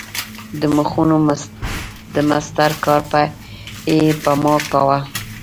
د مخونو د مسطر کار به یې په ما کاوه.